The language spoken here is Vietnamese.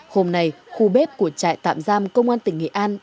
hôm nay khu bếp của trại tạm giam công an tỉnh nghệ an